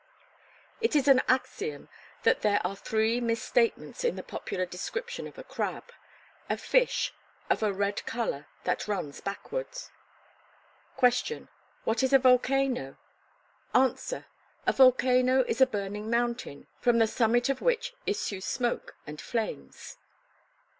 It is an axiom that there are three misstatements in the popular description of a crab: "A fish, of a red color, that runs backward." Ques. What is a volcano? Ans. A volcano is a burning mountain, from the summit of which issue smoke and flames.